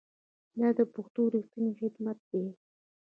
دا د پښتو ریښتینی خدمت دی.